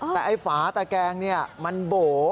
แต่ฝาตะแกงนี่เหรอน่ะมันโบ๋